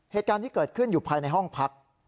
เหตุการณ์ที่เกิดขึ้นอยู่ภายในห้องพัก